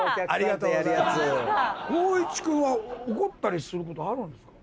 光一君は怒ったりすることあるんですか？